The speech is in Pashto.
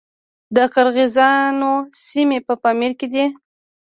د قرغیزانو سیمې په پامیر کې دي